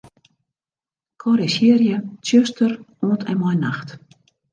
Korrizjearje 'tsjuster' oant en mei 'nacht'.